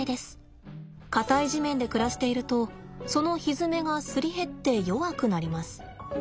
硬い地面で暮らしているとそのひづめがすり減って弱くなります。